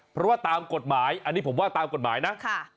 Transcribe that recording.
เพราะว่าตามกฎหมายอันนี้ผมว่าตามกฎหมายนะ